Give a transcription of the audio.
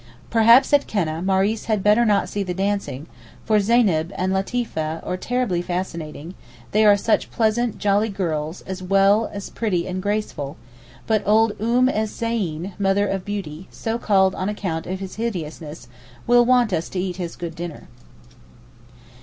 Perhaps at Keneh Maurice had better not see the dancing, for Zeyneb and Latefeeh are terribly fascinating, they are such pleasant jolly girls as well as pretty and graceful, but old Oum ez Zeyn (mother of beauty), so called on account of his hideousness, will want us to eat his good dinner.